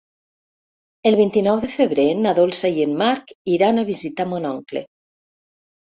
El vint-i-nou de febrer na Dolça i en Marc iran a visitar mon oncle.